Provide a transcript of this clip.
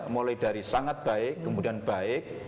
mulai dari sangat baik kemudian baik